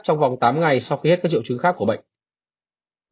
trong vòng tám ngày sau khi hết các triệu chứng khác của bệnh